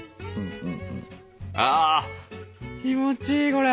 あ気持ちいいこれ！